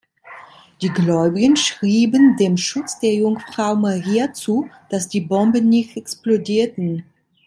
Die Gläubigen schrieben dem Schutz der Jungfrau Maria zu, dass die Bomben nicht explodierten.